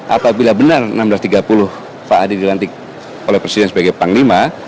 apabila benar enam belas tiga puluh pak adi dilantik oleh presiden sebagai panglima